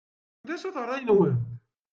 D acu-t ṛṛay-nwent?